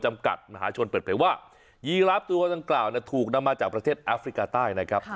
จำกัดมหาชนเปิดเผยว่ายีราฟตัวดังกล่าวถูกนำมาจากประเทศแอฟริกาใต้นะครับ